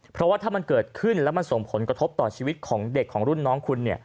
เพราะว่าถ้ามันเกิดขึ้นแล้วมันส่งผลกระทบต่อชีวิตของเด็กของรุ่นน้องคุณ